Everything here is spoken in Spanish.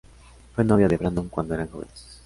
Fue novia de Brandon cuando eran jóvenes.